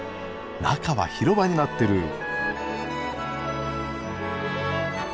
中は広場になってる。